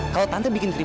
kalau tante bikin krips